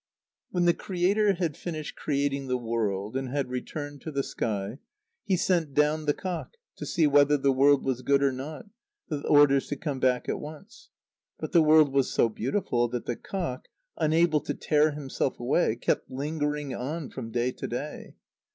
_ When the Creator had finished creating the world, and had returned to the sky, he sent down the cock to see whether the world was good or not, with orders to come back at once. But the world was so beautiful, that the cock, unable to tear himself away, kept lingering on from day to day.